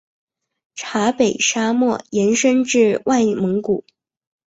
察北沙漠延伸至外蒙古。